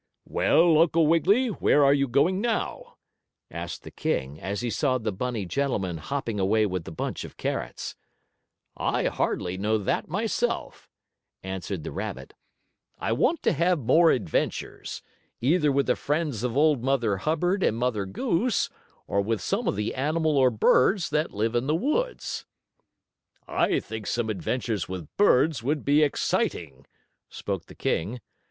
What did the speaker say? "Well, Uncle Wiggily, where are you going now?" asked the King, as he saw the bunny gentleman hopping away with the bunch of carrots. "I hardly know that myself," answered the rabbit. "I want to have more adventures, either with the friends of Old Mother Hubbard and Mother Goose, or with some of the animal or birds that live in the woods." "I think some adventures with birds would be exciting," spoke the King.